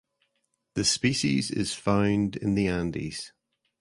The species is found in the Andes.